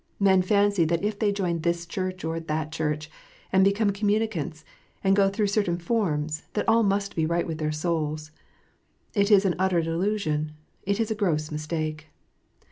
Men fancy if they join this Church or that Church, and become com municants, and go through certain forms, that all must be right with their souls. It is an utter delusion : it is a gross mistake.